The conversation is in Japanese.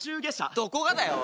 どこがだよおい。